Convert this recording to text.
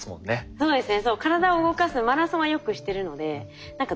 そうですね。